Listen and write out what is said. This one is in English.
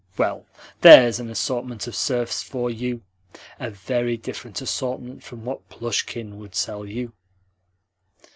Well, THERE'S an assortment of serfs for you! a very different assortment from what Plushkin would sell you!"